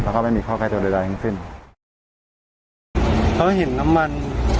แล้วก็ไม่มีข้อใกล้ตัวใดทั้งสิ้นเขาเห็นน้ำมัน